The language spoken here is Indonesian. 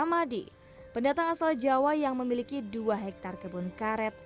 samadi pendatang asal jawa yang memiliki dua hektare kebun karet